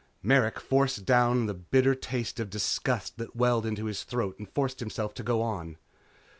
Merrick forced down the bitter taste of disgust that welled into his throat and forced himself to go on.